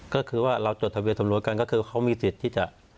ก็คือว่าเราจดทะเบียสำรวจกันก็คือเขามีสิทธิ์ที่จะ